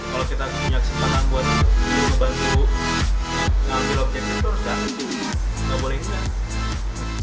kalau kita punya kesempatan buat ngebantu ngambil objeknya terus gak itu gak boleh juga